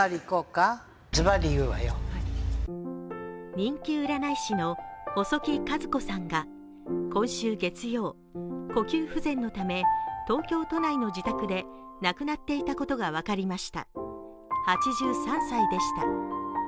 人気占い師の細木数子さんが今週月曜、呼吸不全のため東京都内の自宅で亡くなっていたことが分かりました、８３歳でした。